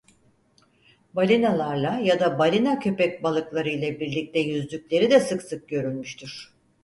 Balinalarla ya da balina köpekbalıklarıyla birlikte yüzdükleri de sık sık görülmüştür.